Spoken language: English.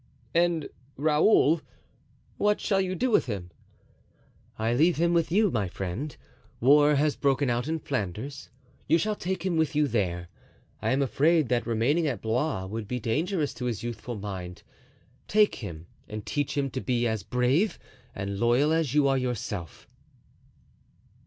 "And Raoul—what shall you do with him?" "I leave him with you, my friend. War has broken out in Flanders. You shall take him with you there. I am afraid that remaining at Blois would be dangerous to his youthful mind. Take him and teach him to be as brave and loyal as you are yourself."